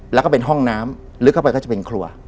แล้วก็เป็นห้องน้ำลึกเข้าไปก็จะเป็นครัว